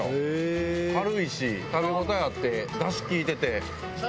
軽いし食べ応えあってダシ効いてて。